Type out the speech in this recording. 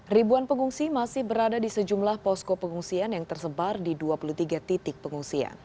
ribuan pengungsi masih berada di sejumlah posko pengungsian yang tersebar di dua puluh tiga titik pengungsian